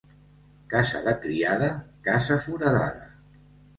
Casa de criada, casa foradada.